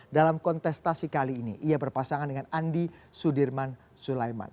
dalam kontestasi kali ini ia berpasangan dengan andi sudirman sulaiman